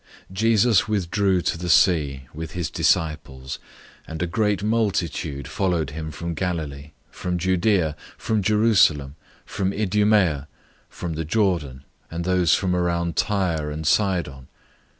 003:007 Jesus withdrew to the sea with his disciples, and a great multitude followed him from Galilee, from Judea, 003:008 from Jerusalem, from Idumaea, beyond the Jordan, and those from around Tyre and Sidon.